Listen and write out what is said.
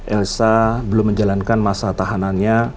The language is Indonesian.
elsa belum menjalankan masa tahanannya